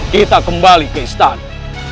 kita kembali ke istana